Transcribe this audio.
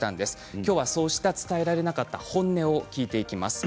今日はそうした伝えられなかった本音を聞いていきます。